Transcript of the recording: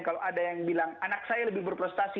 kalau ada yang bilang anak saya lebih berprestasi